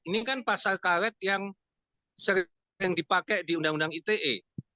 ini kan pasal karet yang sering dipakai di undang undang ite